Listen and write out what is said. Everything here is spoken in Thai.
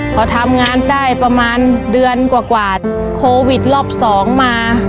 พอทำงานได้ประมาณเดือนกว่าโควิดรอบสองมา